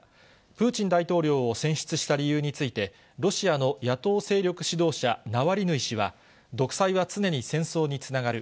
プーチン大統領を選出した理由について、ロシアの野党勢力指導者、ナワリヌイ氏は、独裁は常に戦争につながる。